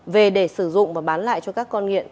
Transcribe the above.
về để sử dụng và bán lại cho các con nghiện